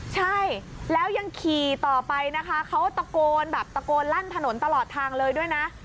ใช่แล้วยังขี่ต่อไปนะคะเขาตะโกนแบบตะโกนลั่นถนนตลอดทางเลยด้วยนะ